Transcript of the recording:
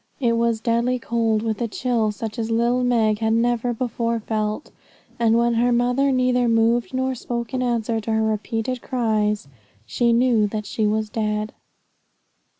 It was deadly cold, with a chill such as little Meg had never before felt; and when her mother neither moved nor spoke in answer to her repeated cries, she knew that she was dead.